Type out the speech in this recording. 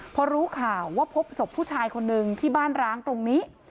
พอรู้ข่าวว่าพบศพผู้ชายคนนึงที่บ้านร้างตรงนี้